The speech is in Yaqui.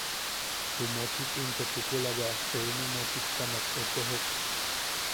Ju mochik into chukula bea seenu mochiktamak etejok.